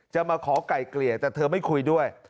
มาขอไก่เกลี่ยแต่เธอไม่คุยด้วย